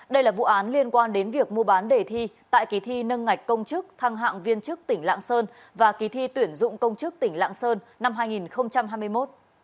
đây là vụ án liên quan đến việc mua bán đề thi tại kỳ thi nâng ngạch công chức thăng hạng viên chức tỉnh lạng sơn và kỳ thi tuyển dụng công chức tỉnh lạng sơn năm hai nghìn hai mươi một